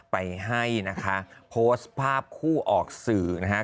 ไปให้นะคะโพสต์ภาพคู่ออกสื่อนะคะ